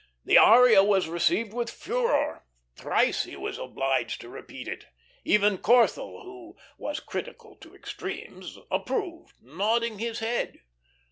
The aria was received with furor; thrice he was obliged to repeat it. Even Corthell, who was critical to extremes, approved, nodding his head.